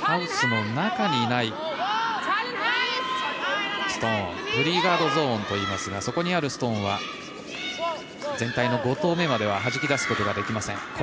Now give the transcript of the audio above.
ハウスの中にないストーンをフリーガードゾーンといいますがそこにある石は全体の５投目までははじき出すことはできません。